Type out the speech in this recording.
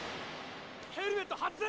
ヘルメット外せ！！